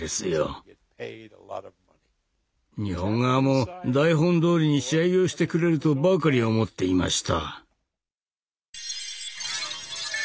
日本側も台本どおりに試合をしてくれるとばかり思っていました。